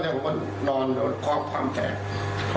จังหวะนี้น้องมันคงจับ